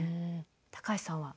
高橋さんは？